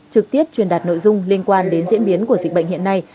trực tiếp truyền đạt nội dung liên quan đến diễn biến của dịch bệnh hiện nay